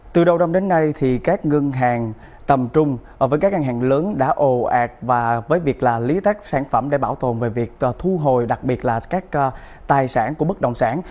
từ đầu năm đến nay các ngân hàng tầm trung với các ngân hàng lớn đã ồ ạt và với việc là lý tách sản phẩm để bảo tồn về việc thu hồi đặc biệt là các tài sản của bất động sản